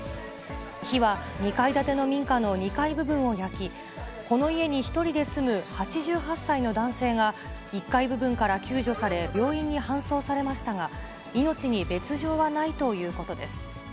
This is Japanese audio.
火は２階建ての民家の２階部分を焼き、この家に１人で住む８８歳の男性が、１階部分から救助され病院に搬送されましたが、命に別状はないということです。